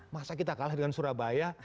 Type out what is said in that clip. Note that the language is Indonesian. masa kita kalah dengan surabaya